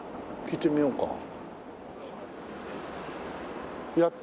聞いてみようか。